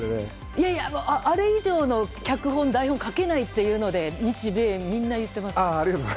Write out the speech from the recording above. いやいや、あれ以上の脚本、台本は書けないっていうので日米みんな言ってますが。